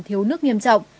thiếu nước nghiêm trọng